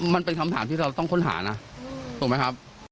มันเป็นคำถามที่เราต้องค้นหานะถูกไหมครับ